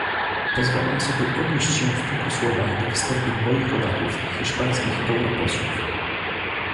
Pozwolę sobie odnieść się w kilku słowach do wystąpień moich rodaków, hiszpańskich europosłów